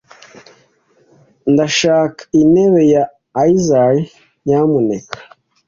Ndashaka intebe ya aisle, nyamuneka.